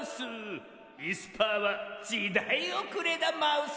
いすパーはじだいおくれだマウス。